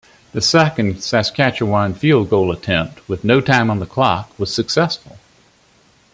The second Saskatchewan field goal attempt, with no time on the clock, was successful.